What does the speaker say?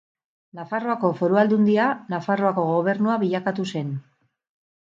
Nafarroako Foru Aldundia Nafarroako Gobernua bilakatu zen.